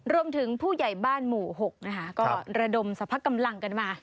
รวมถึงผู้ใหญ่บ้านหมู่๖นะคะก็ระดมสภักดิ์กำลังกันมา